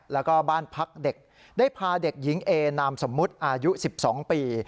แล้วก็บ้านพักเด็กได้พาเด็กหญิงเอนามสมมุติอายุ๑๒ปี